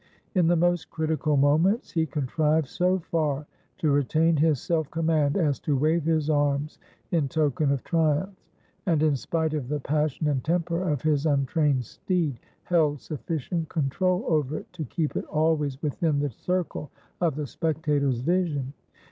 In the most critical moments he contrived so far to retain his self command as to wave his arms in token of triumph; and, in spite of the passion and temper of his untrained steed, held sufficient control over it to keep it always within the circle of the spectators' vision.